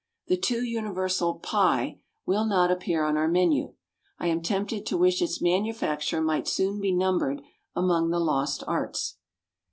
The too universal PIE will not appear on our menu. I am tempted to wish its manufacture might soon be numbered among the lost arts.